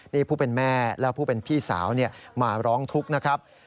นี่ผู้เป็นแม่และผู้เป็นพี่สาวมาร้องทุกข์นะครับ